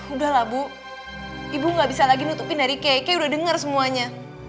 udahlah bu ibu gak bisa lagi nutupin dari kk udah denger semuanya